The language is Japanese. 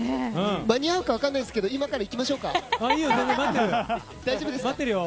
間に合うかわからないですけど今から行きましょうか？